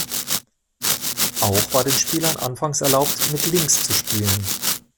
Auch war den Spielern anfangs erlaubt, mit links zu spielen.